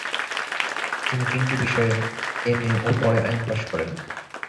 তিনি তিনটি বিষয়ে এম এ ও পরে আইন পাস করেন ।